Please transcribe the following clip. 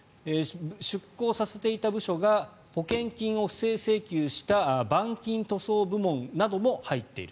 出向させていた部署が保険金を不正請求した板金塗装部門なども入っている。